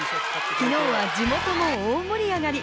昨日は地元も大盛り上がり。